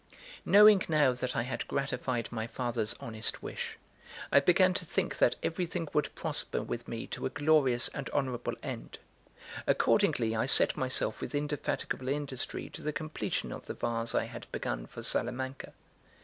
XXIV KNOWING now that I had gratified my father's honest wish, I began to think that everything would prosper with me to a glorious and honourable end. Accordingly, I set myself with indefatigable industry to the completion of the vase I had begun for Salamanca.